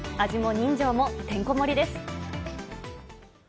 味も人情もてんこ盛りです。